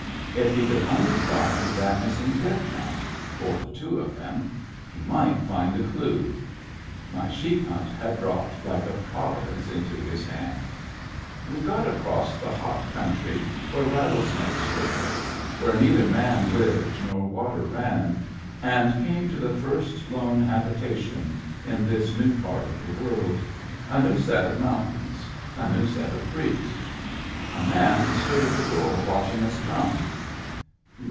If he could only find that missing dead man — or the two of them — he might find a clew. My sheep hunt had dropped like a Providence into his hand. We got across the hot country where rattle* snakes were thick, where neither man lived nor water ran, and came to the first lone habita tion in this new part of the world — a new set of mountains, a new set of creeks. A man stood at the door watching us come.